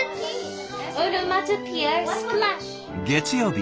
月曜日